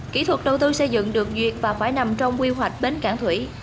kỹ thuật đầu tư xây dựng được duyệt và phải nằm trong quy hoạch bến cảng thủy